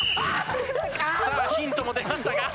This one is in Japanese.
さあヒントも出ましたが。